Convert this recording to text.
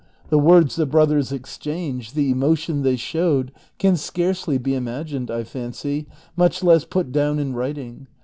The words the brothers exchanged, the emotion they showed can scarcely be imagined, I fancy, miich less put down CHAPTER XLTI. 365 in writing.